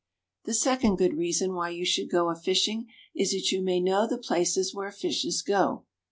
The second good reason why you should go a fishing is that you may know the places where fishes go.